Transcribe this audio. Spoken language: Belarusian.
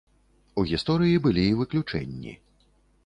У гісторыі былі і выключэнні.